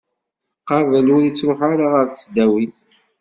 Qabel, ur ittruḥu ara ɣer tesdawit